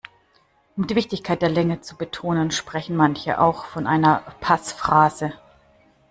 Um die Wichtigkeit der Länge zu betonen, sprechen manche auch von einer Passphrase.